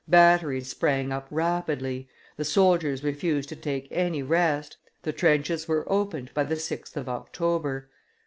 Batteries sprang up rapidly, the soldiers refused to take any rest, the trenches were opened by the 6th of October.